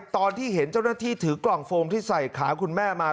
ตอนที่เห็นเจ้าหน้าที่ถือกล่องโฟมที่ใส่ขาคุณแม่มา